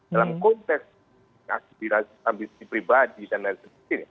dalam konteks aktivitas ambisi pribadi dan dsb